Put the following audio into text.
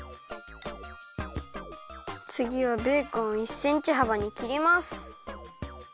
つぎはベーコンを１センチはばにきります。